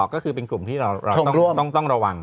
ก็คือเป็นกลุ่มที่เราต้องระวัง